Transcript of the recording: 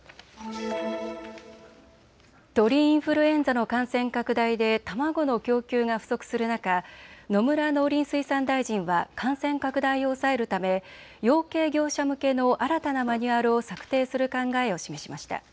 鳥インフルエンザの感染拡大で卵の供給が不足する中、野村農林水産大臣は感染拡大を抑えるため養鶏業者向けの新たなマニュアルを策定する考えを示しました。